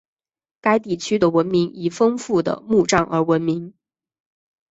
该地区的文明以丰富的墓葬而闻名。